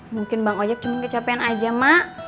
mungkin bang ojek cuma kecapean aja mak